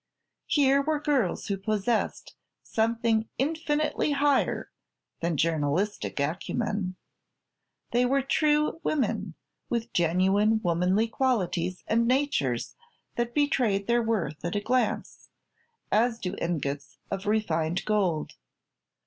Here were girls who possessed something infinitely higher than journalistic acumen; they were true women, with genuine womanly qualities and natures that betrayed their worth at a glance, as do ingots of refined gold.